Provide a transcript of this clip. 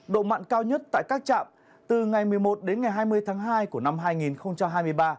độ mặn cao nhất tại các trạm từ ngày một mươi một đến ngày hai mươi tháng hai của năm hai nghìn hai mươi ba